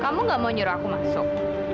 kamu gak mau nyuruh aku masuk